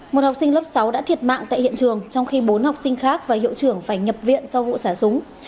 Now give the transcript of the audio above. một học sinh lớp sáu đã thiệt mạng tại hiện trường trong khi bốn học sinh khác và hiệu trưởng phải nhập viện sau vụ xả súng